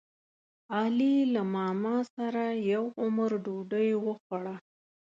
علي له ماماسره یو عمر ډوډۍ وخوړه.